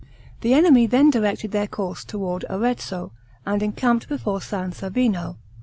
The enemy then directed their course toward Arezzo, and encamped before San Savino.